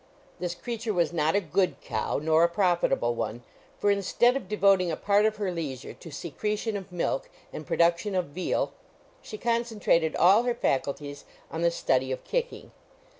This creature was not a good cow, nor a profitable one, for instead of devoting a part of her leisure to secretion of milk and production of veal she concentrated all her faculties on the study of kicking.